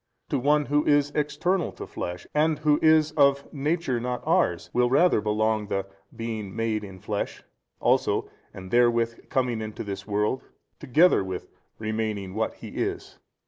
to one who is external to flesh and who is of Nature not ours, will rather |275 belong the being made in flesh also and therewith coming into this world together with remaining what He is.